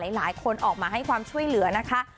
หลายคนออกมาให้ความช่วยเหลือนะคะ